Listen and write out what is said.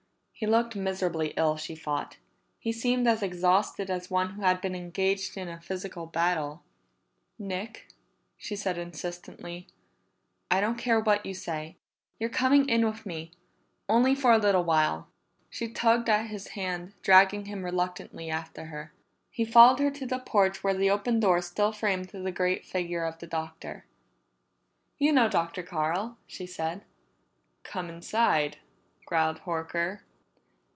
He looked miserably ill, she thought; he seemed as exhausted as one who had been engaged in a physical battle. "Nick," she said insistently, "I don't care what you say, you're coming in with me. Only for a little while." She tugged at his hand, dragging him reluctantly after her. He followed her to the porch where the open door still framed the great figure of the Doctor. "You know Dr. Carl," she said. "Come inside," growled Horker.